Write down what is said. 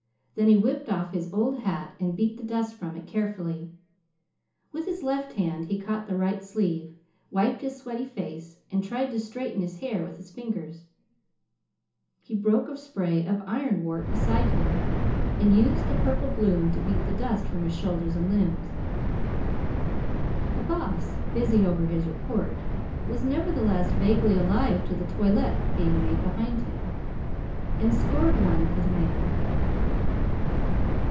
Then he whipped off his old hat and beat the dust from it carefully. With his left hand he caught the right sleeve, wiped his sweaty face, and tried to straighten his hair with his fingers. He broke a spray of ironwort beside him and used the purple bloom to beat the dust from his shoulders and limbs. The Boss, busy over his report, was, nevertheless, vaguely alive to the toilet being made behind him, and scored one for the man.